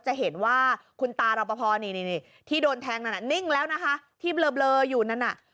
จะเห็นว่าคุณตาลอบพอร์ที่โดนแทงนั่นนิ่งแล้วนะคะ